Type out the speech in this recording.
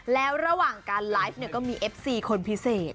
แล้วระหว่างการไลฟ์ก็มีเอฟซีคนพิเศษ